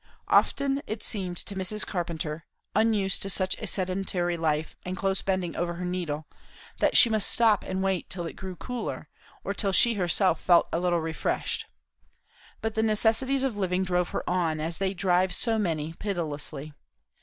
Often it seemed to Mrs. Carpenter, unused to such a sedentary life and close bending over her needle, that she must stop and wait till it grew cooler, or till she herself felt a little refreshed. But the necessities of living drove her on, as they drive so many, pitilessly.